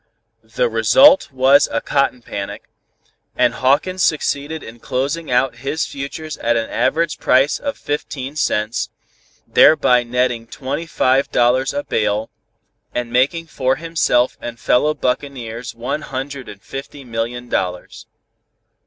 The result was a cotton panic, and Hawkins succeeded in closing out his futures at an average price of fifteen cents, thereby netting twenty five dollars a bale, and making for himself and fellow buccaneers one hundred and fifty million dollars.